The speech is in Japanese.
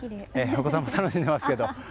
お子さんも楽しんでいます。